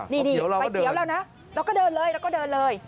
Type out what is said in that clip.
นี่ไฟเขียวแล้วนะเราก็เดินเลยแล้วก็เดินเลย